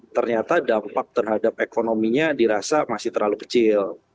ternyata dampak terhadap ekonominya dirasa masih terlalu kecil